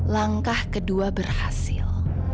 langkah kedua berhasil